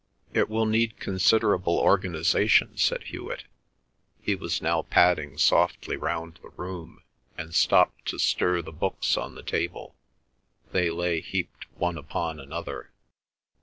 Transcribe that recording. "It will need considerable organisation," said Hewet. He was now padding softly round the room, and stopped to stir the books on the table. They lay heaped one upon another.